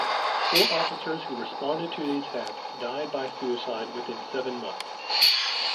Four officers who responded to the attack died by suicide within seven months.